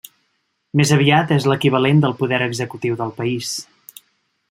Més aviat és l'equivalent del poder executiu del país.